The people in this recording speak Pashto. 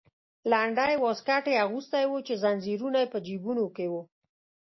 لنډی واسکټ یې اغوستی و چې زنځیرونه یې په جیبونو کې وو.